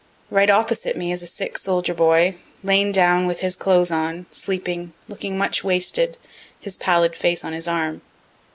Right opposite me is a sick soldier boy, laid down with his clothes on, sleeping, looking much wasted, his pallid face on his arm.